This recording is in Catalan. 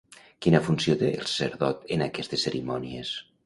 Quina funció té el sacerdot en aquestes cerimònies?